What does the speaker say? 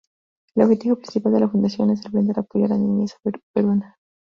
El objetivo principal de la Fundación es el brindar apoyo a la niñez peruana.